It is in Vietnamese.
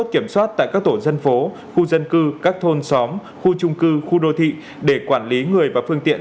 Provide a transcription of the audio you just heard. khu dân cư các thôn xóm khu trung cư khu đô thị để quản lý người và phương tiện